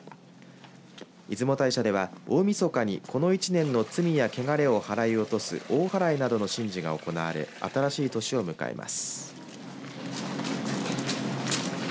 出雲大社では大みそかにこの１年の罪やけがれを払い落とす大祓などの神事が行われ新しい年を迎えます。